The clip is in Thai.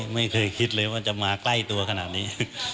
ไม่เคยคิดเลยว่าจะมาใกล้ตัวขนาดนี้